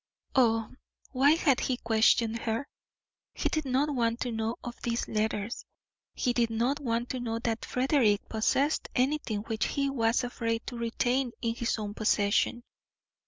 Oh! why had he questioned her? He did not want to know of these letters; he did not want to know that Frederick possessed anything which he was afraid to retain in his own possession.